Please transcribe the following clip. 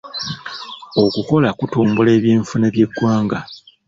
Okukola kutumbula eby'enfuna by'eggwanga.